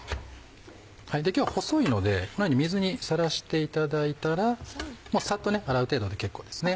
今日は細いのでこのように水にさらしていただいたらサッと洗う程度で結構ですね。